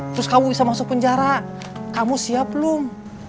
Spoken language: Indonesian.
terus kamu bisa masuk penjara kamu siap belum